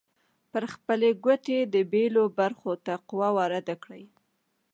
پر خپلې ګوتې د بیلو برخو ته قوه وارده کړئ.